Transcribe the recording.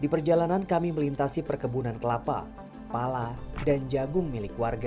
di perjalanan kami melintasi perkebunan kelapa pala dan jagung milik warga